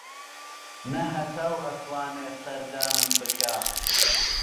نە هەتاو ئەتوانێ سەردانم بکا